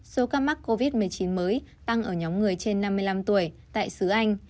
số ca mắc covid một mươi chín mới tăng ở nhóm người trên năm mươi năm tuổi tại sứ anh